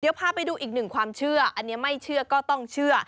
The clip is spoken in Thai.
เดี๋ยวพาไปดูอีกหนึ่งความเชื่ออันนี้ไม่เชื่อก็ต้องเชื่อ